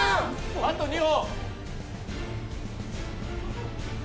あと１本！